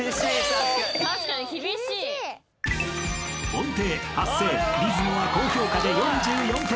［音程発声リズムは高評価で４４点］